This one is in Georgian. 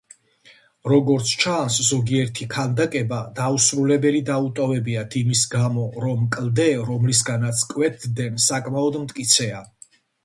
როგორც ჩანს, ზოგიერთი ქანდაკება დაუსრულებელი დაუტოვებიათ იმის გამო, რომ კლდე, რომლისგანაც კვეთდნენ საკმაოდ მტკიცეა.